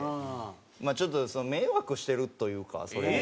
まあちょっと迷惑してるというかそれで。